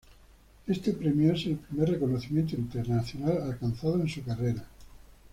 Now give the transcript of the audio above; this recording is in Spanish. Este premio es el primer reconocimiento internacional alcanzado en su carrera.